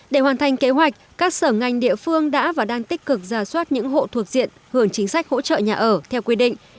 để hoàn thành kế hoạch các sở ngành địa phương đã và đang tích cực ra soát những hộ thuộc diện hưởng chính sách hỗ trợ nhà ở theo quy định